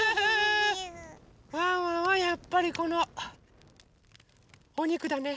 ワンワンはやっぱりこのおにくだね。